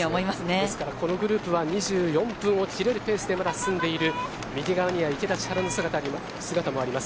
ですからこのグループは２４分を切れるペースでまだ進んでいる右側には池田千晴の姿もあります。